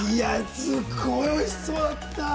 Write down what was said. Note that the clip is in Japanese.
すごいおいしそうだった。